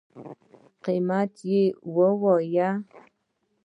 قیمت یی ووایه